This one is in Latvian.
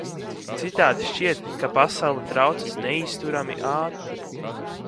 Citādi šķiet, ka pasaule traucas neizturami ātri.